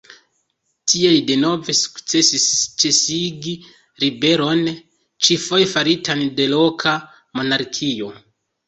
Tie li denove sukcesis ĉesigi ribelon, ĉifoje faritan de loka monarkio.